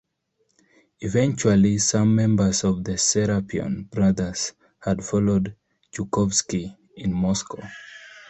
Eventually some members of the "Serapion Brothers" had followed Chukovsky in Moscow.